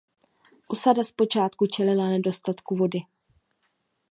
Osada zpočátku čelila nedostatku vody.